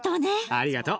ありがとう。